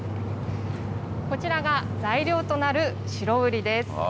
こちらが材料となるシロウリです。